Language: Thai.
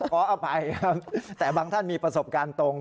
ขออภัยครับแต่บางท่านมีประสบการณ์ตรง